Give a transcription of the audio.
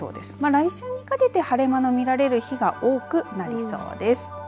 来週にかけて晴れ間の見られる日が多くなりそうです。